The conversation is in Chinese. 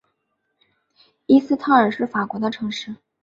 伊斯特尔是法国的城市。